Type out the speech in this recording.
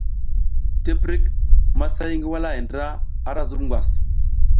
Tiptik, masay ngi walahay ndra ara zub ngwas.